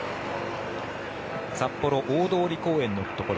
札幌・大通公園のところ。